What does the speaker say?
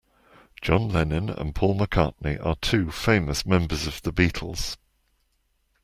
John Lennon and Paul McCartney are two famous members of the Beatles.